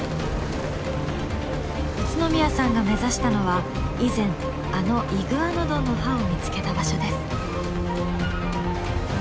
宇都宮さんが目指したのは以前あのイグアノドンの歯を見つけた場所です。